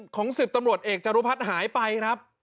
ของ๑๐ตำรวจเอกจรุพัฒน์หายไปครับ